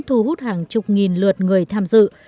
thú hút hàng chục nghìn lượt người tham dự